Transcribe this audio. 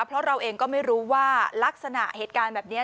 เพราะเราเองก็ไม่รู้ว่าลักษณะเหตุการณ์แบบนี้